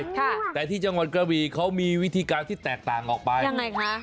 ค่ะแต่ที่จังหวัดกระบีเขามีวิธีการที่แตกต่างออกไปยังไงคะ